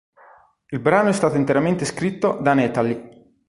Il brano è stato interamente scritto da Nathalie.